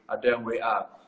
ada yang wa